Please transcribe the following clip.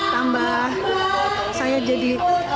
tambah saya jadi